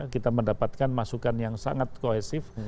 kita mendapatkan masukan yang sangat kohesif